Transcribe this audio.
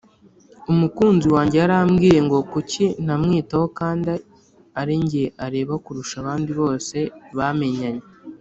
Umukunzi wanjye yarambwiye ngo kuki ntamwitaho kandi arijye areba kurusha abandi bose bamenyanye